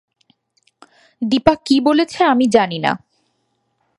দিপা কী বলেছে আমি জানি না।